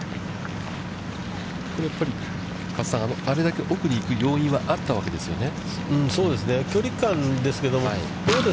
加瀬さん、あれだけ奥に行く要因はあったわけですよね。